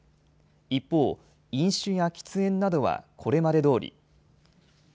一方、飲酒や喫煙などはこれまでどおり。